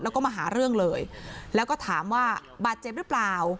แล้วก็มาหาเรื่องเลยแล้วก็ถามว่าบาดเจ็บหรือเปล่า